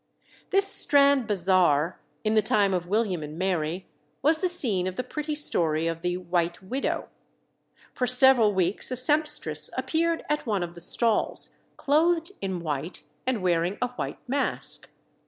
This Strand Bazaar, in the time of William and Mary, was the scene of the pretty story of the "White Widow." For several weeks a sempstress appeared at one of the stalls, clothed in white, and wearing a white mask.